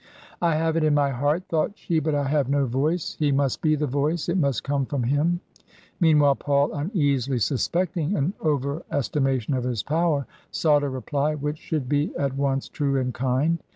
" I have it in my heart," thought she, " but I have no voice. He must be the Voice. It must come from him." Meanwhile, Paul, uneasily suspecting an over estima tion of his power, sought a reply which should be at once true and kind.